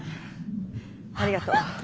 ありがとう。